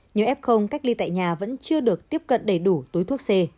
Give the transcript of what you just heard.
nhiều f cách ly tại nhà vẫn chưa được tiếp cận đầy đủ túi thuốc c